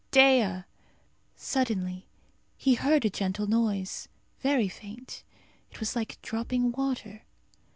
Dea!" Suddenly he heard a gentle noise, very faint. It was like dropping water.